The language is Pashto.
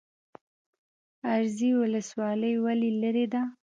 ازرې ولسوالۍ ولې لیرې ده؟